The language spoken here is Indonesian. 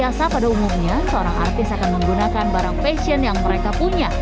biasa pada umumnya seorang artis akan menggunakan barang fashion yang mereka punya